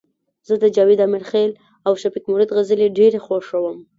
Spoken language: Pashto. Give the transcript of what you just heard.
زه د جاوید امرخیل او شفیق مرید غزلي ډيري خوښوم